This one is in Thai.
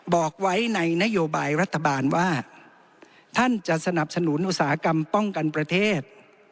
บอกไว้ในนโยบายรัฐบาลว่าท่านจะสนับสนุนอุตสาหกรรมป้องกันประเทศ